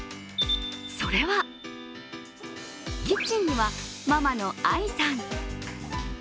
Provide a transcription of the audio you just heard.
それはキッチンにはママの愛さん。